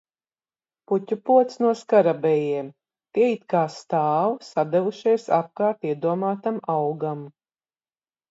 Puķupods no skarabejiem. Tie it kā stāv, sadevušies apkārt iedomātam augam.